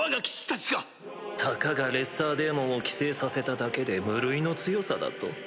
たかがレッサーデーモンを寄生させただけで無類の強さだと？